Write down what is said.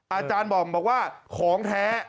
อาจารย์บอมบอกว่าของแท้